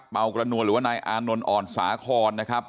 เบากระนวลหรือว่านายอานนท์อ่อนสาคอนนะครับ